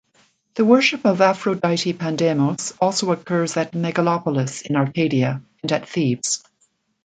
The worship of Aphrodite Pandemos also occurs at Megalopolis in Arcadia, and at Thebes.